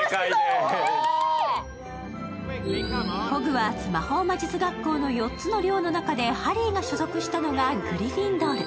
ホグワーツ魔法魔術学校の４つの寮の中でハリーが所属したのがグリフィンドール。